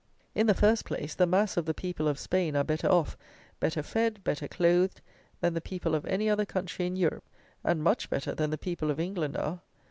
In the first place, the mass of the people of Spain are better off, better fed, better clothed, than the people of any other country in Europe, and much better than the people of England are.